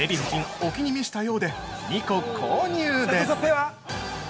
お気に召したようで２個購入です！